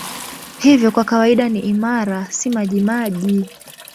Hivyo kwa kawaida ni imara, si majimaji.